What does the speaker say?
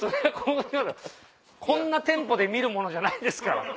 こんなテンポで見るものじゃないですから！